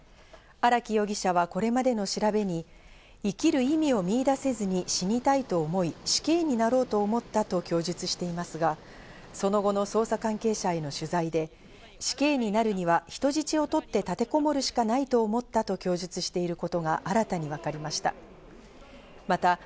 荒木容疑者はこれまでの調べに、生きる意味を見いだせずに死にたいと思い、死刑になろうと思ったと供述していますが、その後の捜査関係者への取材で死刑になるには人質を取って立てこもるしかないと思ったと供述していることが新たに分かりました。